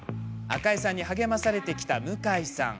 赤江さんに励まされてきた向井さん。